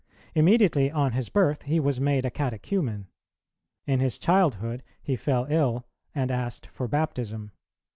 Immediately on his birth, he was made a catechumen; in his childhood he fell ill, and asked for baptism.